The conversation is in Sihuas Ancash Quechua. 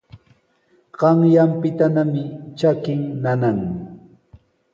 Qanyaanpitanami trakin nana.